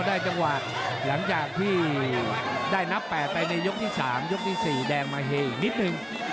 ได้จังหวะหลังจากที่ได้นับ๘ไปในยกที่๓ยกที่๔แดงมาเฮอีกนิดนึง